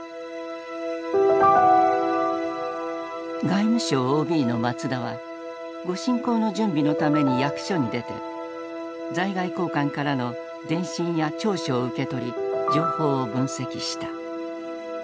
外務省ＯＢの松田は御進講の準備のために役所に出て在外公館からの電信や調書を受け取り情報を分析した。